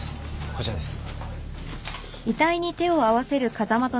こちらです。